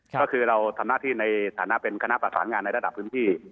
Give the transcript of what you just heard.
ก็คือเราทำหน้าที่ในฐานะเป็นคณะประสานงานในระดับพื้นที่